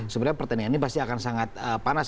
sebenarnya pertandingan ini pasti akan sangat panas